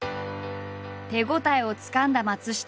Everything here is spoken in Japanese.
手応えをつかんだ松下。